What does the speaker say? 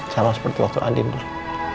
tidak seperti waktu andin dulu